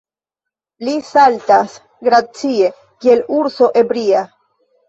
Li saltas gracie, kiel urso ebria.